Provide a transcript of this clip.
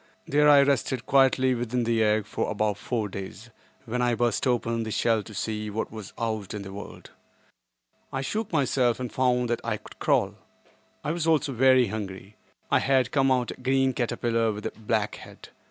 There I rested quietly within the egg for about four days, when I burst open the shell to see what was out in the world. I shook myself and found that I could crawl. I was also very hungry. I had come out a green caterpillar with a black head.